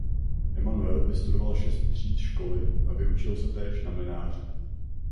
Emanuel vystudoval šest tříd školy a vyučil se též na mlynáře.